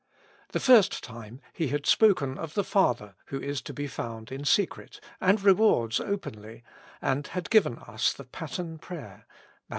The first time He had spoken of the Father who is to be found in secret, and rewards openly, and had given us the pattern prayer (Matt.